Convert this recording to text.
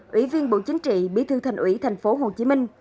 ủy viên bộ chính trị bí thư thành ủy tp hcm